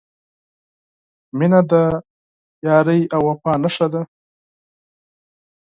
• مینه د دوستۍ او وفا نښه ده.